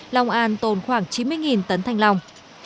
long an tồn khoảng chín mươi tấn thanh long